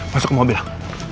masuk ke mobil lah